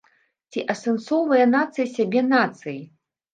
Ці асэнсоўвае нацыя сябе нацыяй?